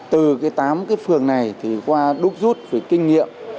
từ cái tám cái phường này thì qua đúc rút về kinh nghiệm